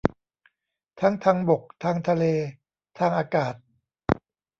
ทั้งทางบก ทางทะเล ทางอากาศ